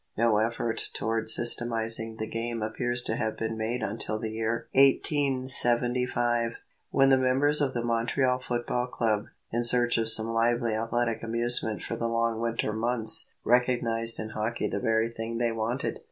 No effort toward systematizing the game appears to have been made until the year 1875, when the members of the Montreal Football Club, in search of some lively athletic amusement for the long winter months, recognized in hockey the very thing they wanted.